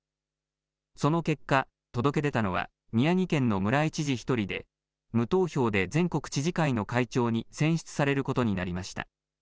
その結果、届け出たのは宮城県の村井知事１人で、無投票で全国知事会の会長に選出されることになりました。